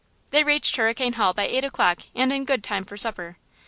They reached Hurricane Hall by eight o'clock, and in good time for supper.